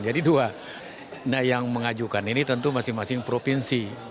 jadi dua yang mengajukan ini tentu masing masing provinsi